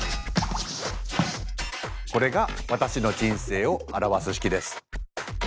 これが私の人生を表す式です。